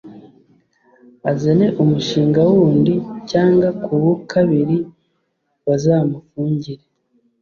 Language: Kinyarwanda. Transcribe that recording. azane umushina w undi cyangwa kuwu kabiri bazamufungire